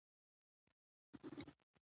د نورو په تقلید ځان مه خرابوئ.